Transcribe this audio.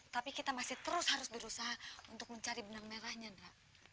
tapi kita masih terus harus berusaha untuk mencari benang merahnya dra